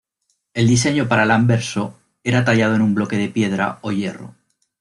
El diseño para el anverso era tallado en un bloque de piedra o hierro.